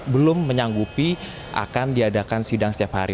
belum menyanggupi akan diadakan sidang setiap hari